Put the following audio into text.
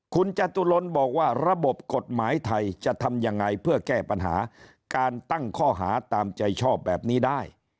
คุณจตุรนบอกว่าระบบกฎหมายไทยจะทำยังไงเพื่อแก้ปัญหาการตั้งข้อหาตามใจชอบแบบนี้ได้